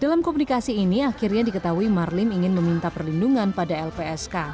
dalam komunikasi ini akhirnya diketahui marlim ingin meminta perlindungan pada lpsk